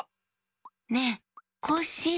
ねえコッシー！